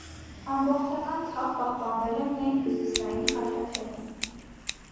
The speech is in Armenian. Ամբողջական թաղ պահպանվել է միայն հյուսիսային խաչաթևում։